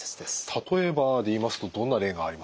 例えばで言いますとどんな例がありますかね？